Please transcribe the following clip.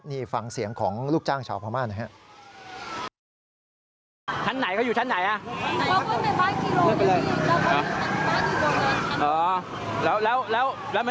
นี่ฟังเสียงของลูกจ้างชาวพม่าหน่อยฮะ